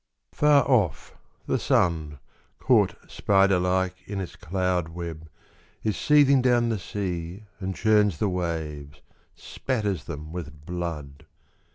Far off, the sun, caught spider like In its cloud web, is seething down the sea And churns the waves, spatters them with blood.